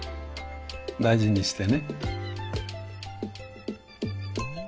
大事にしてね。